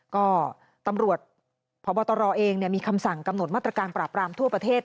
ก็ตำรวจพบตรเองมีคำสั่งกำหนดมาตรการปราบรามทั่วประเทศ